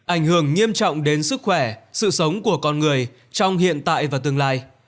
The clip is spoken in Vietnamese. ảnh hưởng nghiêm trọng đến sức khỏe sự sống của con người trong hiện tại và tương lai